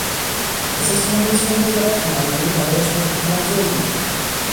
پس از چندین سال وزارت، معلمی برایش نوعی تنزل بود.